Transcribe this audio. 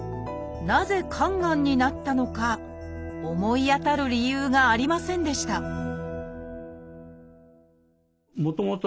なぜ肝がんになったのか思い当たる理由がありませんでした鳥居さん